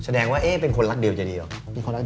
แสดงว่าเป็นคนรักเดียวจะดีหรอเป็นคนรักเดียวจะดีหรอ